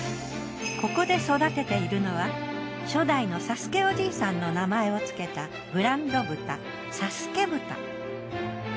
ここで育てているのは初代の佐助おじいさんの名前をつけたブランド豚佐助豚。